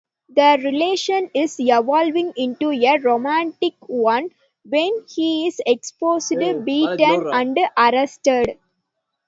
Their relation is evolving into a romantic one, when he's exposed, beaten and arrested.